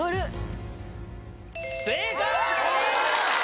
正解！